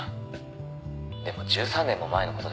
「でも１３年も前の事です」